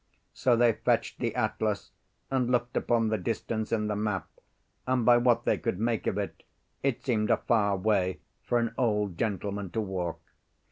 So they fetched the atlas and looked upon the distance in the map, and by what they could make of it, it seemed a far way for an old gentleman to walk.